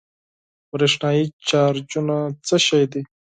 برېښنايي چارجونه څه شی دي؟